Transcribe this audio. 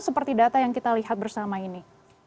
seperti data yang kita lihat bersama ini